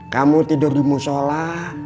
kamu tidur di musyola